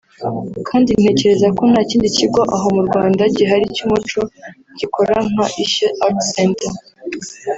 Kandi ntekereza ko nta kindi kigo aho mu Rwanda gihari cy’umuco gikora nka Ishyo Art Center